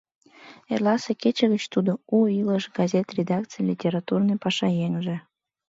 Эрласе кече гыч тудо «У илыш» газет редакцийын литературный пашаеҥже.